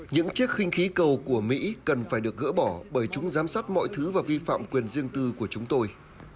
những chiếc khinh khí cầu của mỹ cần phải được gỡ bỏ bởi chúng giám sát mọi thứ và vi phạm quyền riêng tư của chúng tôi